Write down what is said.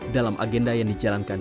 dalam agenda yang dijalankan